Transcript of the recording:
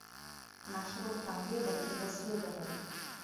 Наш рух там ведалі і даследавалі.